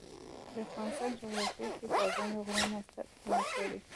د افغانستان جغرافیه کې پابندی غرونه ستر اهمیت لري.